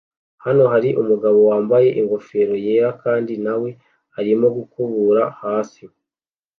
Hano hari umugabo wambaye ingofero yera kandi nawe arimo gukubura hasi